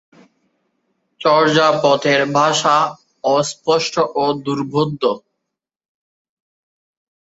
চর্যাপদের ভাষা অস্পষ্ট ও দুর্বোধ্য।